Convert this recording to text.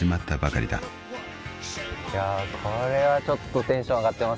いやこれはちょっとテンション上がってますね。